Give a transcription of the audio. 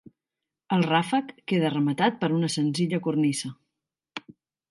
El ràfec queda rematat per una senzilla cornisa.